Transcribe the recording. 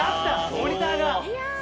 モニターが。